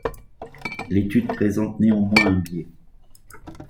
L'étude présente néanmoins un biais.